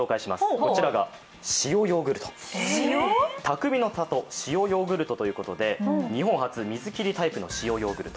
こちらが塩ヨーグルト、たくみの里塩ヨーグルトということで日本初、水切りタイプの塩ヨーグルト。